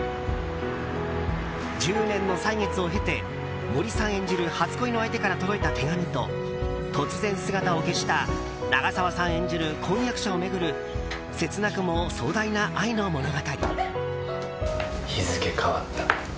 １０年の歳月を経て森さん演じる初恋の相手から届いた手紙と、突然姿を消した長澤さん演じる婚約者を巡る切なくも壮大な愛の物語。